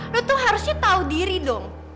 lu tuh harusnya tahu diri dong